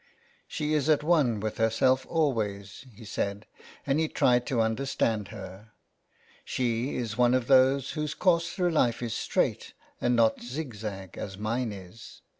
'' She is at one with herself always/' he said, and he tried to understand her. '' She is one of those whose course through life is straight, and not zig zag, as mine is."